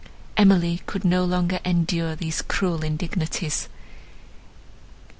Emily could no longer endure these cruel indignities.